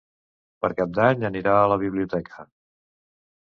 Per Cap d'Any anirà a la biblioteca.